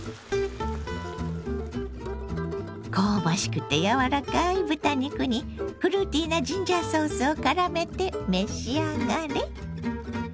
香ばしくて柔らかい豚肉にフルーティーなジンジャーソースをからめて召し上がれ。